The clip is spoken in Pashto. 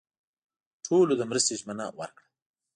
ټولو د مرستې ژمنه ورکړه.